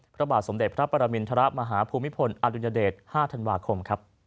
พระบาทสมเด็จพระปรมินทรมาฮภูมิพลอดุญเดช๕ธันวาคม